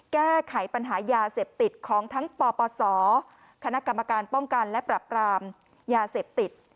แก้ไขปัญหายาเสพติดของทั้งปปศคณะกรรมการป้องกันและปรับรามยาเสพติด